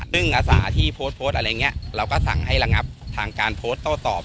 ซึ่งอาสาที่โพสต์โพสต์อะไรอย่างนี้เราก็สั่งให้ระงับทางการโพสต์โต้ตอบ